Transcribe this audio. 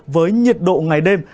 với nhiệt độ ngày đêm